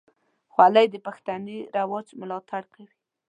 خولۍ د پښتني رواج ملاتړ کوي.